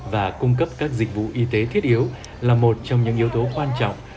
và cung cấp các dịch vụ y tế thiết yếu là một trong những yếu tố quan trọng